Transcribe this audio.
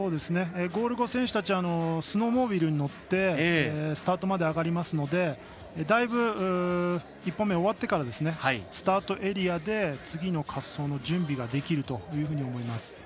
ゴール後、選手たちはスノーモービルに乗ってスタートまで上がりますので１本目、終わってからスタートエリアで次の滑走の準備ができるというふうに思います。